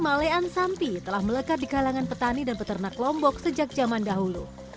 malean sampi telah melekat di kalangan petani dan peternak lombok sejak zaman dahulu